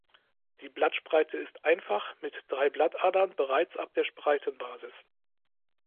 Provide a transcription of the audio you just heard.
Die Blattspreite ist einfach mit drei Blattadern bereits ab der Spreitenbasis.